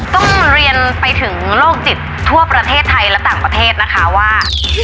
ต้องเรียนไปถึงโรคจิตทั่วประเทศไทยและต่างประเทศนะคะว่า